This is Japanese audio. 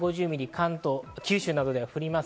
関東、九州などでも降ります。